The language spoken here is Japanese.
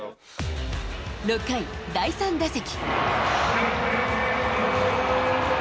６回、第３打席。